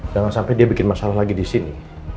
jangan sampai dia bikin masalah lagi di sini